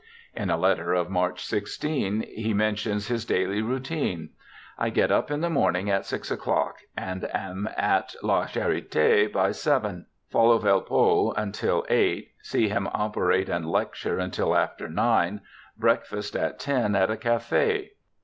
In a letter of March 16 he mentions his daily routine :' I get up in the morning at six o'clock and am at La Charite by seven, follow Velpeau until eight, see him operate and lecture until after nine, breakfast at ten at a cafe.